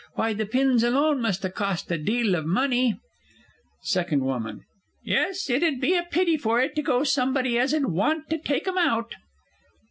Why, the pins alone must ha' cost a deal of money. SECOND W. Yes, it 'ud be a pity for it to go to somebody as 'ud want to take 'em out.